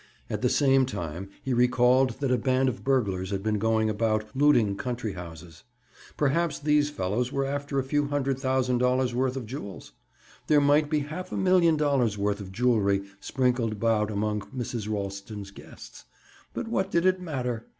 At the same time, he recalled that a band of burglars had been going about, looting country houses. Perhaps these fellows were after a few hundred thousand dollars' worth of jewels? There might be half a million dollars' worth of jewelry sprinkled about among Mrs. Ralston's guests. But what did it matter?